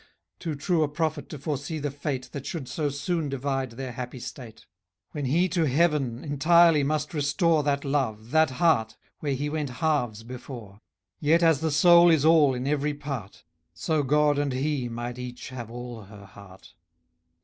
Too true a prophet to foresee the fate That should so soon divide their happy state; When he to heaven entirely must restore That love, that heart, where he went halves before. Yet as the soul is all in every part, So God and he might each have all her heart.